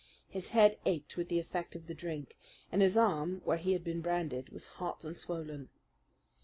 His head ached with the effect of the drink, and his arm, where he had been branded, was hot and swollen.